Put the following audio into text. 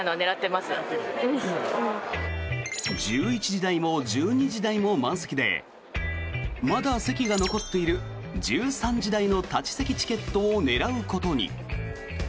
１１時台も１２時台も満席でまだ席が残っている１３時台の立ち席チケットを狙うことに。